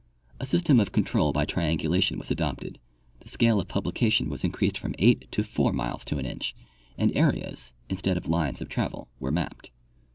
A system of control by triangulation was adopted, the scale of publication Avas increased from 8 to 4 miles to an inch, and areas, instead of lines of travel, were mapped.